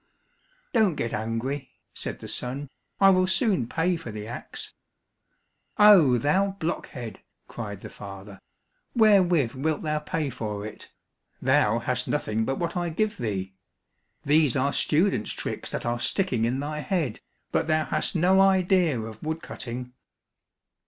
"Don't get angry," said the son, "I will soon pay for the axe." "Oh, thou blockhead," cried the father, "wherewith wilt thou pay for it? Thou hast nothing but what I give thee. These are students' tricks that are sticking in thy head, but thou hast no idea of wood cutting."